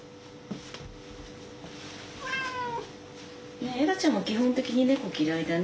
ねっエラちゃんも基本的に猫嫌いだね